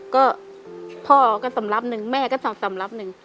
ก็พ่อก็สำรับหนึ่งแม่ก็สองสำรับหนึ่ง